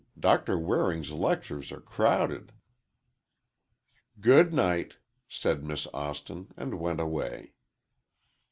Doctor Waring's lectures are crowded." "Good night," said Miss Austin, and went away.